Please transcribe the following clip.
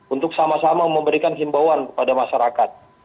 untuk sama sama memberikan himbauan kepada masyarakat